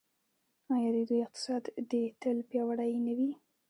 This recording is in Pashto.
آیا د دوی اقتصاد دې تل پیاوړی نه وي؟